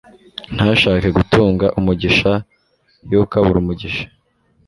ntashake gutunga umugisha, yokabura umugisha